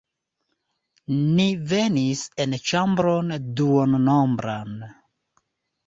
Ni venis en ĉambron duonombran.